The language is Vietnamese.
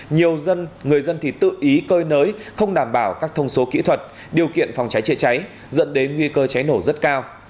nhiều dân người dân thì tự ý cơi nới không đảm bảo các thông số kỹ thuật điều kiện phòng cháy chữa cháy dẫn đến nguy cơ cháy nổ rất cao